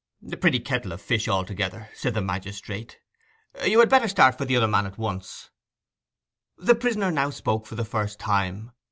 'A pretty kettle of fish altogether!' said the magistrate. 'You had better start for the other man at once.' The prisoner now spoke for the first time.